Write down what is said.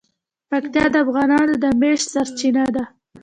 پکتیا د افغانانو د معیشت سرچینه ده.